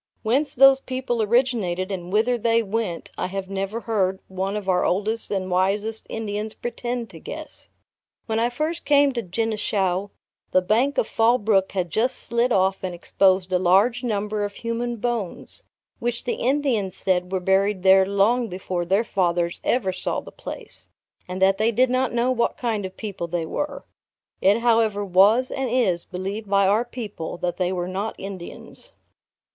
Whence those people originated, and whither they went, I have never heard one of our oldest and wisest Indians pretend to guess. When I first came to Genishau, the bank of Fall Brook had just slid off and exposed a large number of human bones, which the Indians said were buried there long before their fathers ever saw the place; and that they did not know what kind of people they were. It however was and is believed by our people, that they were not Indians.